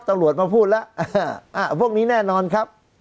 ตลอดมาพูดแล้วอ่าพวกนี้แน่นอนครับ